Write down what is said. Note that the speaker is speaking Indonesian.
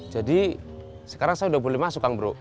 jadi sekarang saya udah boleh masuk kang bro